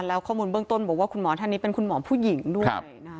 แล้วข้อมูลเบื้องต้นบอกว่าคุณหมอท่านนี้เป็นคุณหมอผู้หญิงด้วยนะคะ